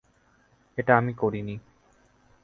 এটা আমি করিনি।